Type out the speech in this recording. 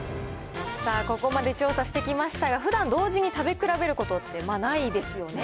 さあ、ここまで調査してきましたが、ふだん、同時に食べ比べることってないですよね。